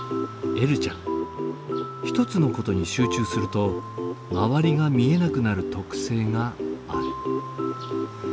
えるちゃん１つのことに集中すると周りが見えなくなる特性がある。